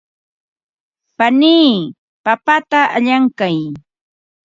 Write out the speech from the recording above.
panii papata allaykan.